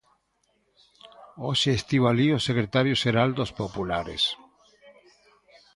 Hoxe estivo alí o secretario xeral dos populares.